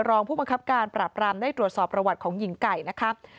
รองผู้บังคับการปราบรามได้ตรวจสอบประวัติของหญิงไก่นะครับ